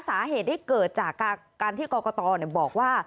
สาเหตุที่เกิดจากการที่กรกตบอกว่า